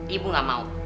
ibu gak mau